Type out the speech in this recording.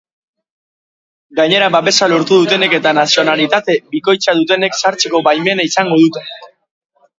Gainera, babesa lortu dutenek eta nazionalitate bikoitza dutenek sartzeko baimena izango dute.